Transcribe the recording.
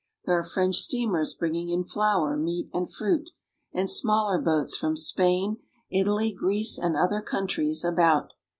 There are French steamers bringing in flour, meat, and fruit, and smaller boats from Spain, Italy, Greece, and other countries about.